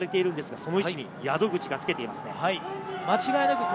その位置に宿口がつけています。